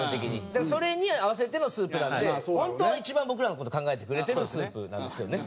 だからそれに合わせてのスープなんで本当は一番僕らの事考えてくれてるスープなんですよね。